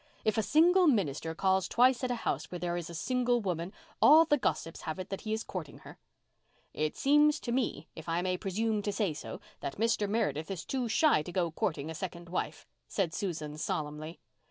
If a single minister calls twice at a house where there is a single woman all the gossips have it he is courting her." "It seems to me—if I may presume to say so—that Mr. Meredith is too shy to go courting a second wife," said Susan solemnly.